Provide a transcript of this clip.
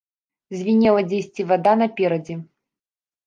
Звінела дзесьці вада наперадзе.